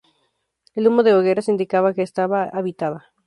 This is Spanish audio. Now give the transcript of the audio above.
El humo de hogueras indicaba que estaba habitada.